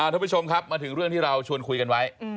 ทุกผู้ชมครับมาถึงเรื่องที่เราชวนคุยกันไว้